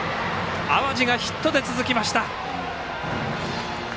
淡路がヒットで続きました。